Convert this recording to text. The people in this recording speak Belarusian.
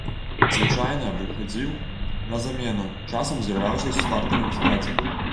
Звычайна выхадзіў на замену, часам з'яўляўся ў стартавым складзе.